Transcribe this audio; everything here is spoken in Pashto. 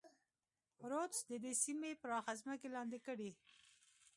رودز د دې سیمې پراخه ځمکې لاندې کړې.